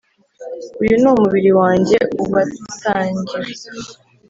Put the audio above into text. Uyu niumubiri wanjye ubatangiwe.